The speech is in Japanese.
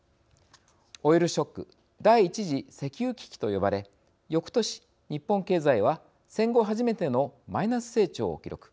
オイルショック第１次石油危機と呼ばれよくとし日本経済は戦後初めてのマイナス成長を記録